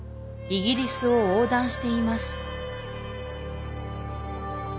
イギリスを横断しています